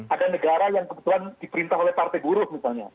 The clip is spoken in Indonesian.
ada negara yang kebetulan diperintah oleh partai buruh misalnya